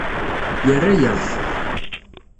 Yerra-yaɣ-t.